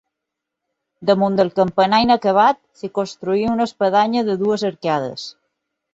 Damunt del campanar inacabat s'hi construí una espadanya de dues arcades.